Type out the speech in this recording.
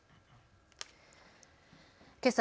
けさ